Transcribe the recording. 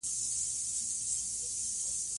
نه تا خپل جلاد په رنګ دی پیژندلی